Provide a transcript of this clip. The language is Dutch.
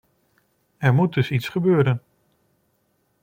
Er moet dus iets gebeuren.